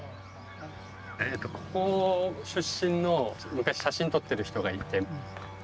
ここ出身の昔写真撮ってる人がいて。